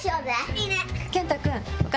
いいね。